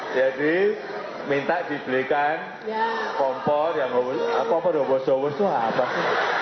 jadi minta dibelikan kompor yang hos hos besar